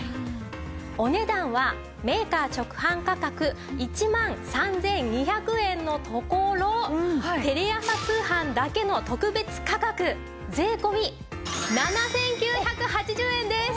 お値段はメーカー直販価格１万３２００円のところテレ朝通販だけの特別価格税込７９８０円です。